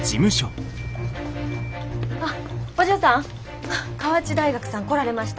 あっお嬢さん河内大学さん来られました。